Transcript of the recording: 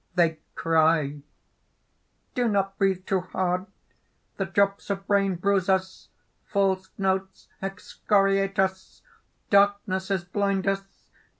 They cry_): "Do not breathe too hard! The drops of rain bruise us, false notes excoriate us, darknesses blind us!